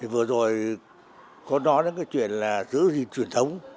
vừa rồi con nói đến chuyện giữ gìn truyền thống